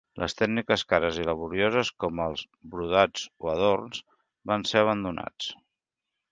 Les tècniques cares i laborioses com els brodats o adorns, van ser abandonats.